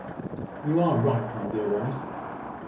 "You are right, my dear wife."